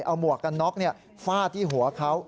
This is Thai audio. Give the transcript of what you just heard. เอาหมวกกันน็อกฟาดที่หัวเขา